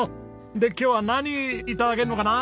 で今日は何頂けるのかな？